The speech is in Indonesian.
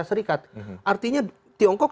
serikat artinya tiongkok